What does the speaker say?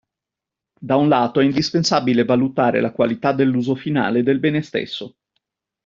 Da un lato è indispensabile valutare la qualità dell'uso finale del bene stesso.